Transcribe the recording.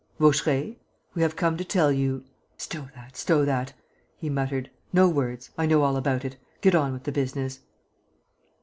"Vaucheray, we have come to tell you...." "Stow that, stow that," he muttered. "No words. I know all about it. Get on with the business."